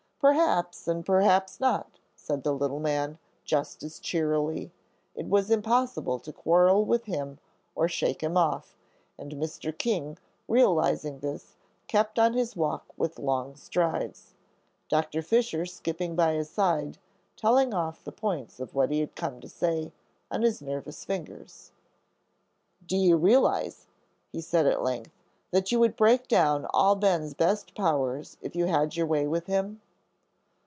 "Perhaps and perhaps not," said the little man, just as cheerily. It was impossible to quarrel with him or to shake him off, and Mr. King, realizing this, kept on his walk with long strides, Doctor Fisher skipping by his side, telling off the points of what he had come to say, on his nervous fingers. "Do you realize," he said at length, "that you would break down all Ben's best powers if you had your way with him?"